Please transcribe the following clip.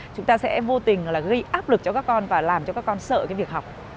chúng ta sẽ vô tình gây áp lực cho các con và làm cho các con sợ cái việc học